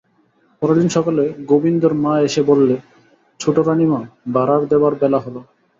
পরের দিন সকালে গোবিন্দর মা এসে বললে, ছোটোরানীমা, ভাঁড়ার দেবার বেলা হল।